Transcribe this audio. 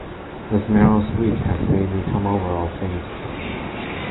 This narrow squeak has made me come over all faint.